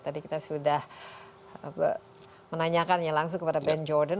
tadi kita sudah menanyakannya langsung kepada ben jordan